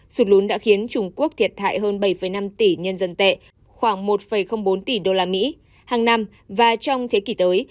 sụt lún đã khiến trung quốc thiệt hại hơn bảy năm tỷ nhân dân tệ khoảng một bốn tỷ usd hàng năm và trong thế kỷ tới